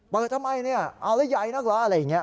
ว่าทำไมนี่อะวะยัยนะคะอะไรอย่างนี้